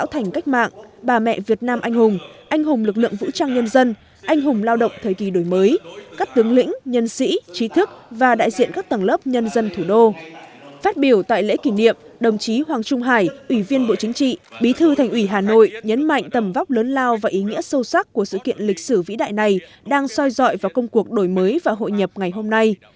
hùng lao động thời kỳ đổi mới các tướng lĩnh nhân sĩ trí thức và đại diện các tầng lớp nhân dân thủ đô phát biểu tại lễ kỷ niệm đồng chí hoàng trung hải ủy viên bộ chính trị bí thư thành ủy hà nội nhấn mạnh tầm vóc lớn lao và ý nghĩa sâu sắc của sự kiện lịch sử vĩ đại này đang soi dọi vào công cuộc đổi mới và hội nhập ngày hôm nay